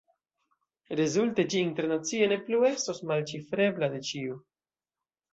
Rezulte ĝi internacie ne plu estos malĉifrebla de ĉiu.